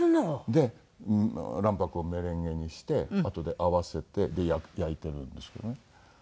で卵白をメレンゲにしてあとで合わせて焼いてるんですよね。